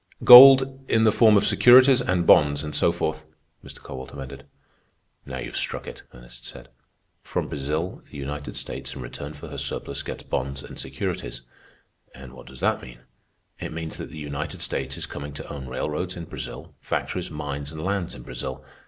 "Gold in the form of securities and bonds and so forth," Mr. Kowalt amended. "Now you've struck it," Ernest said. "From Brazil the United States, in return for her surplus, gets bonds and securities. And what does that mean? It means that the United States is coming to own railroads in Brazil, factories, mines, and lands in Brazil.